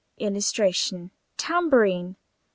[Illustration: TAMBOURINE.